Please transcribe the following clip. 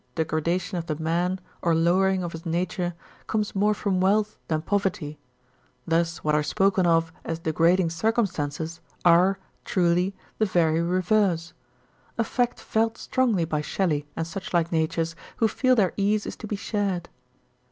degradation of the man or lowering of his nature comes more from wealth than poverty : thus what are spoken of as degrading circumstances, are, truly, the very reverse a fact felt strongly by Shelley and such like natures who feel their ease is to be shared.